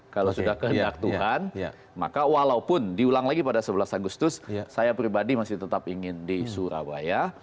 kalau sudah kehendak tuhan maka walaupun diulang lagi pada sebelas agustus saya pribadi masih tetap ingin di surabaya